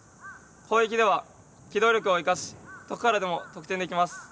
攻撃では機動力を生かしどこからでも得点出来ます。